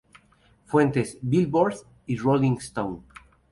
Fuentes: "Billboard" y "Rolling Stone".